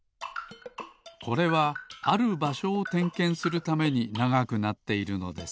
これはあるばしょをてんけんするためにながくなっているのです。